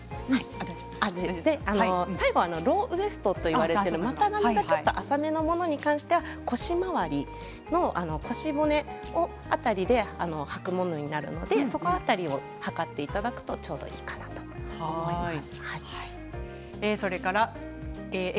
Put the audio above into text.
最後、ローウエストといわれている股上がちょっと浅めのものに関しては腰回りの腰骨を腰骨辺りではくものになるのでその辺りを測っていただくとちょうどいいかなと思います。